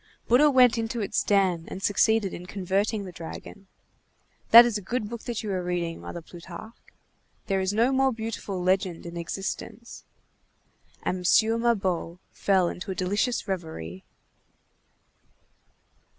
Bouddha went into its den and succeeded in converting the dragon. That is a good book that you are reading, Mother Plutarque. There is no more beautiful legend in existence." And M. Mabeuf fell into a delicious reverie.